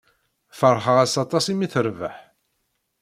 Feṛḥeɣ-as aṭas i mi terbeḥ.